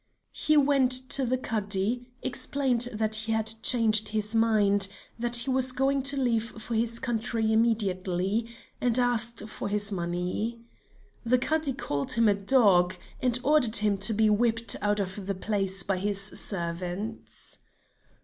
He went to the Cadi, explained that he had changed his mind, that he was going to leave for his country immediately, and asked for his money. The Cadi called him a dog and ordered him to be whipped out of the place by his servants.